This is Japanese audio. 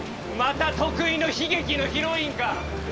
また得意の悲劇のヒロインか？